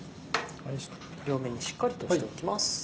両面にしっかりとしておきます。